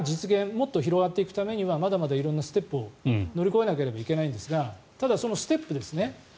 もっと広がっていくためにはまだまだ色んなステップを乗り越えなければいけないんですがただ、そのステップですね。